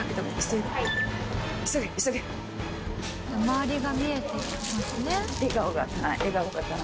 「周りが見えてますね」